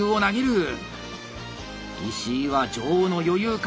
石井は女王の余裕か？